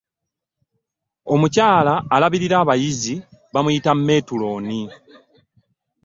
Omukyala alabirira abayizi bamuyita metulooni.